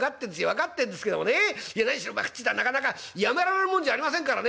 分かってんですけどもねいや何しろ博打ってのはなかなかやめられるもんじゃありませんからね」。